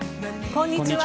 こんにちは。